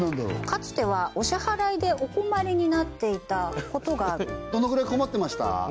かつてはお支払いでお困りになっていたことがあるどのぐらい困ってました？